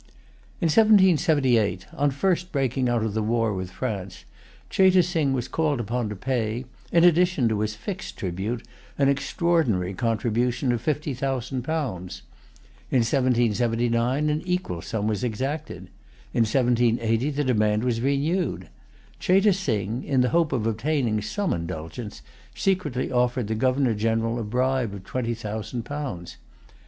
In 1778, on the first breaking out of the war with France, Cheyte Sing was called upon to pay, in addition to his fixed tribute, an extraordinary contribution of fifty thousand pounds. In 1779 an equal sum was exacted. In 1780 the demand was renewed. Cheyte Sing, in the hope of obtaining some indulgence, secretly offered the Governor General a bribe of twenty thousand pounds.